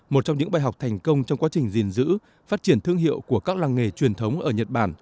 một trong những bài học thành công trong quá trình gìn giữ phát triển thương hiệu của các làng nghề truyền thống ở nhật bản